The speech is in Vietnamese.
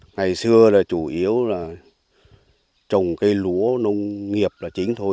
ngày xưa là chủ yếu là trồng cây lúa nông nghiệp là chính thôi